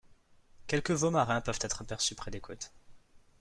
Quelques veaux marins peuvent être aperçus près des côtes.